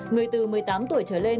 người từ một mươi tám tuổi trở lên